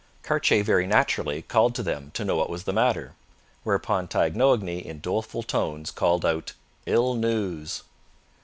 Cartier very naturally called to them to know what was the matter; whereupon Taignoagny in doleful tones called out, 'Ill news!'